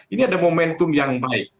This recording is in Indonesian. ini ada momentum yang baik